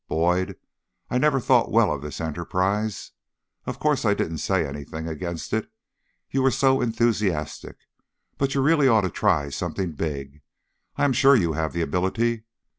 Boyd, I never thought well of this enterprise. Of course, I didn't say anything against it, you were so enthusiastic, but you really ought to try something big. I am sure you have the ability.